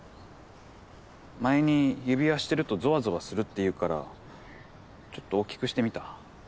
前に指輪してるとぞわぞわするっていうからちょっと大きくしてみた。